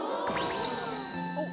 おっ！